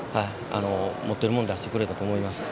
持っているものを出してくれと思います。